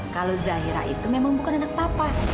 kalau zahira itu memang bukan anak papa